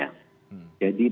jadi perdebatan itu tidak boleh